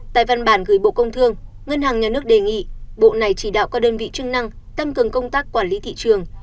tại văn bản gửi bộ công thương ngân hàng nhà nước đề nghị bộ này chỉ đạo các đơn vị chức năng tăng cường công tác quản lý thị trường